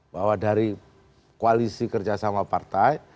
bahwa dari koalisi kerjasama partai